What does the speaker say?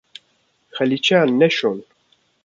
Xalîçeyan neşon.